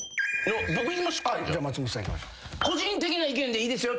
個人的な意見でいいですよ。